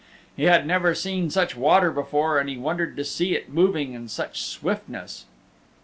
He had never seen such water before and he wondered to see it moving with swiftness.